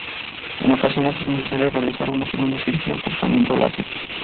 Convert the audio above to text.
En ocasiones es necesario realizar una segunda cirugía o tratamiento láser.